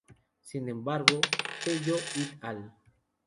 Sin embargo, Tello "et al".